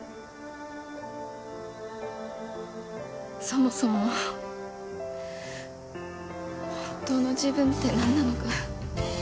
そもそも本当の自分って何なのか